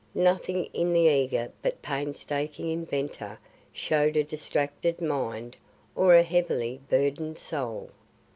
Nothing in the eager but painstaking inventor showed a distracted mind or a heavily burdened soul.